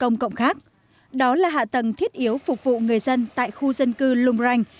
công cộng khác đó là hạ tầng thiết yếu phục vụ người dân tại khu dân cư lung ranh